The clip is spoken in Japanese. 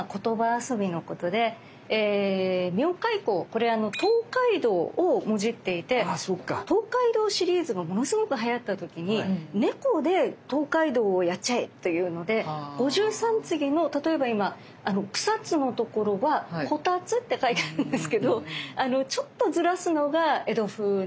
これ東海道をもじっていて東海道シリーズがものすごくはやった時に猫で東海道をやっちゃえというので五十三次の例えば今草津のところは「こたつ」って書いてあるんですけどちょっとずらすのが江戸風なんですよね